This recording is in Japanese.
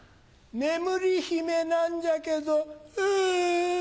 眠り姫なんじゃけどエン。